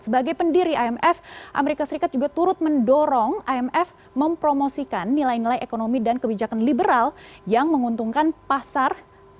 sebagai pendiri imf amerika serikat juga turut mendorong imf mempromosikan nilai nilai ekonomi dan kebijakan liberal yang menguntungkan pasar